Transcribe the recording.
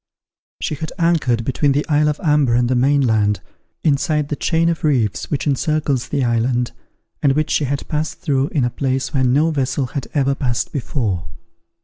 She had anchored between the isle of Amber and the main land, inside the chain of reefs which encircles the island, and which she had passed through in a place where no vessel had ever passed before.